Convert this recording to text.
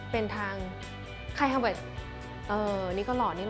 เป็นทางใครคำว่าอะนี่ก็หล่อน